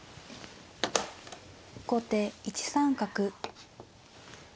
後手１三角。